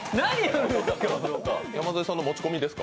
山添さんの持ち込みですか？